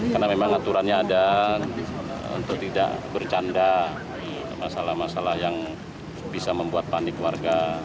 karena memang aturannya ada untuk tidak bercanda masalah masalah yang bisa membuat panik warga